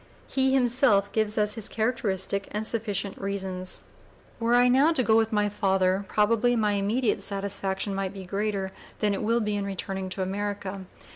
He himself gives us his characteristic and sufficient reasons: "Were I now to go with my father probably my immediate satisfaction might be greater than it will be in returning (p. 016) to America.